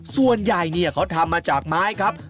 ส่วนใหญ่เนี่ยเขาทำมาจากไม้ครับ